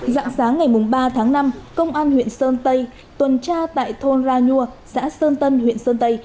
dạng sáng ngày ba tháng năm công an huyện sơn tây tuần tra tại thôn ra nhua xã sơn tân huyện sơn tây